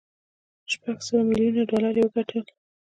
یې شپږ سوه ميليونه ډالر وګټل